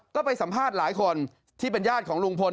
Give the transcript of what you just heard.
ก็ไปสัมภาษณ์หลายคนที่เป็นญาติของลุงพล